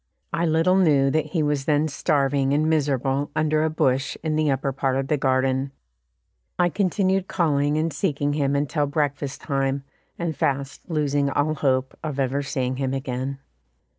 I little knew that he was then starving and miserable under a bush in the upper part of the garden. I continued calling and seeking him until breakfast time, and fast losing all hope of ever seeing him again.